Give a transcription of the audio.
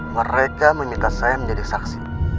mereka meminta saya menjadi saksi